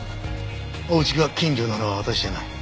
お家が近所なのは私じゃない。